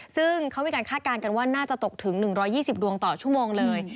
ซึ่งเขามีการคาดการณ์กันว่าน่าจะตกถึง๑๒๐ดวงต่อชั่วโมงเลย